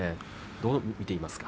どう見ていますか。